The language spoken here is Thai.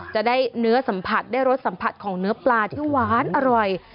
จะได้เนื้อสัมผัสได้รสสัมผัสของเนื้อปลาที่หวานอร่อย